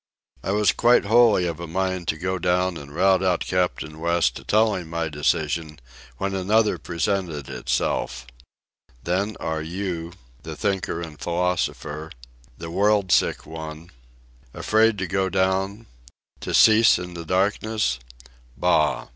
I was quite wholly of a mind to go down and rout out Captain West to tell him my decision, when another presented itself: Then are you, the thinker and philosopher, the world sick one, afraid to go down, to cease in the darkness? Bah!